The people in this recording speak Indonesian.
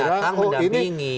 tidak datang tidak bingi